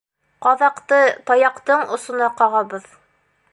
Ҡаҙаҡты таяҡтың осона ҡағабыҙ.